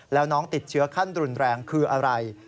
แล้วน้องติดเชื้อขั้นรุนแรงคืออะไร